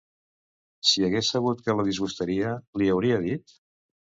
Si hagués sabut que la disgustaria, li hauria dit?